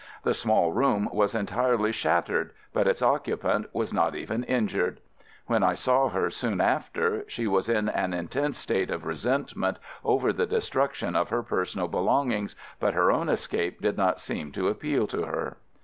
The small room was entirely shattered, but its occupant was not even injured! When I saw her soon after she was in an intense state of resentment over the destruction of her personal belongings, but her own escape did not seem to appeal to her.